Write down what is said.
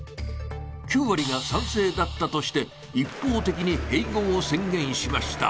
９割が賛成だったとして一方的に併合を宣言しました。